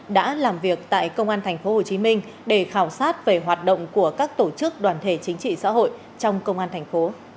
đã làm việc tại công an tp hcm để khảo sát về hoạt động của các tổ chức đoàn thể chính trị xã hội trong công an thành phố